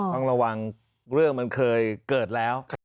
ต้องระวังเรื่องมันเคยเกิดแล้ว